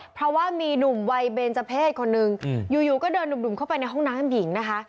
เพราะว่ามีหนุ่มวัยเบนเจอร์เพศคนนึงอยู่ก็เดินดุ่มเข้าไปในห้องน้ำหญิงนะคะ